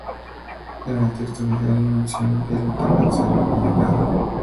En el texto oficial, la mención del ataque serbio fue eliminada.